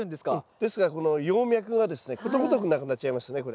ですからこの葉脈がことごとくなくなっちゃいますねこれ。